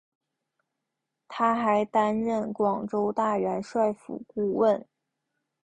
他还担任广州大元帅府顾问。